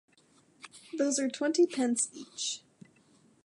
Those are twenty pence each.